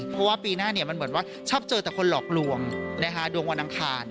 เพราะว่าปีหน้ามันเหมือนว่าชอบเจอแต่คนหลอกลวงดวงวันอังคาร